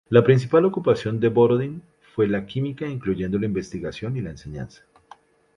La principal ocupación de Borodín fue la química, incluyendo la investigación y la enseñanza.